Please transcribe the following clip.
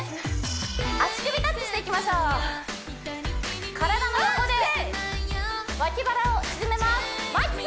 足首タッチしていきましょう体の横で脇腹を縮めますあー！